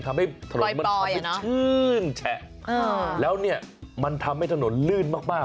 ทำให้ถนนมันทำให้ชื่นแฉะแล้วเนี่ยมันทำให้ถนนลื่นมาก